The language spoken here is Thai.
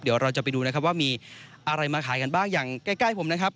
เดี๋ยวเราจะไปดูนะครับว่ามีอะไรมาขายกันบ้างอย่างใกล้ผมนะครับ